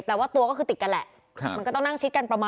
แปลว่าตัวก็คือติดกันแหละ